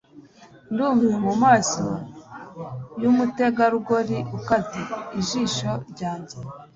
ndumiwe mumaso yumutegarugori ukaze, ijisho ryanjye